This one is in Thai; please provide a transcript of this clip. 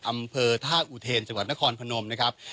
อำเภอท่าอุเทนจังหวัดนครพนมนะครับ